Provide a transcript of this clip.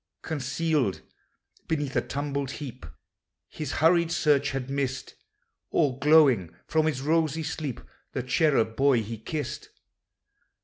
Concealed beneath a tumbled heap His hurried search had missed, All glowing from his rosy sleep, The cherub boy he kissed.